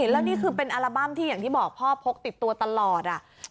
แล้วนี่คือเป็นอัลบั้มอย่างที่บอกเพลิกพ่อพบติดตัวทั้งลาย